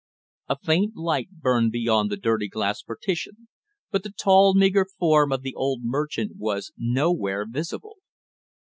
A faint light burned beyond the dirty glass partition, but the tall meager form of the old merchant was nowhere visible.